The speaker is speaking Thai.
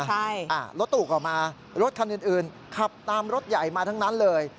รถติ๊กกลับมารถคันอื่นขับตามรถใหญ่มาทั้งนั้นเลย